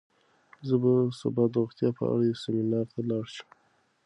زه به سبا د روغتیا په اړه یو سیمینار ته لاړ شم.